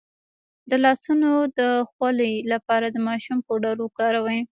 د لاسونو د خولې لپاره د ماشوم پوډر وکاروئ